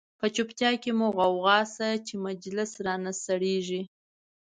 په چوپتیا کی مو غوغا شه، چه مجلس را نه سړیږی